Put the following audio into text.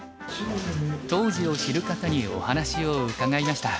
当時を知る方にお話を伺いました。